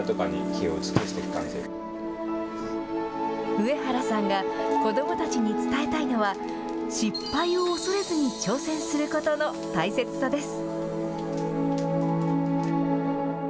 上原さんが子どもたちに伝えたいのは失敗をおそれずに挑戦することの大切さです。